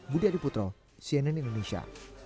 budi adiputro cnn indonesia